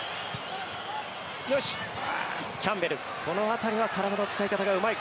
キャンベル、この辺りは体の使い方がうまい